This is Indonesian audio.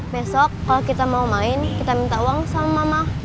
besok kalau kita mau main kita minta uang sama mama